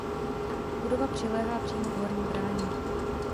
Budova přiléhá přímo k Horní bráně.